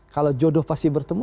kalau jodoh pasti bertemu